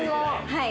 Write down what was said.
はい。